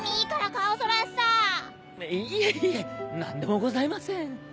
いえいえ何でもございません。